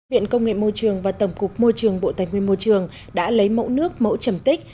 viện công nghệ môi trường và tổng cục môi trường bộ tài nguyên môi trường đã lấy mẫu nước mẫu chầm tích